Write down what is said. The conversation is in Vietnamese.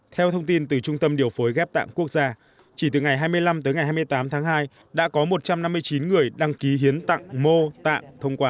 theo thông tin từ trung tâm điều phối ghép tạng quốc gia chỉ từ ngày hai mươi năm tới ngày hai mươi tám tháng hai đã có một trăm năm mươi chín người đăng ký hiến tặng mô tạng thông qua